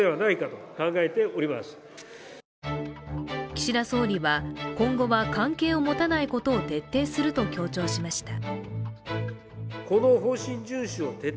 岸田総理は今後は関係を持たないことを徹底すると強調しました。